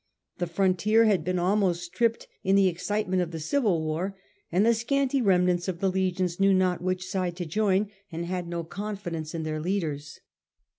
The frontier had been almost stripped in the excitement of the civil war, and the scanty remnants of the legions knew not which side to join, and had no con fidence in their leaders.